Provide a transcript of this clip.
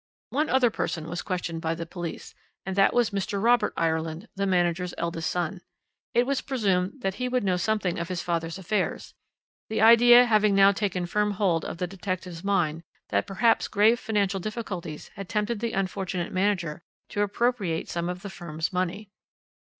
"One other person was questioned by the police, and that was Mr. Robert Ireland, the manager's eldest son. It was presumed that he would know something of his father's affairs; the idea having now taken firm hold of the detective's mind that perhaps grave financial difficulties had tempted the unfortunate manager to appropriate some of the firm's money.